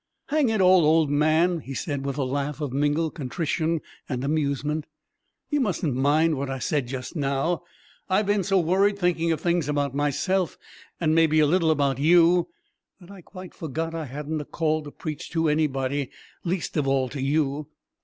"Hang it all, old man," he said, with a laugh of mingled contrition and amusement, "you mustn't mind what I said just now. I've been so worried thinking of things about myself and, maybe, a little about you, that I quite forgot I hadn't a call to preach to anybody least of all to you.